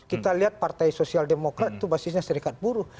kita lihat partai sosial demokrat itu basisnya serikat buruh